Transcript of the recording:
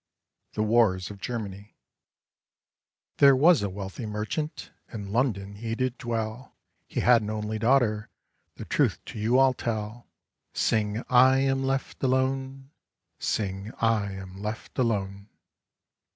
THE WARS OF GERMANY There was a wealthy merchant, In London he did dwell, He had an only daughter, The truth to you I'll tell. Sing I am left alone, Sing I am left alone.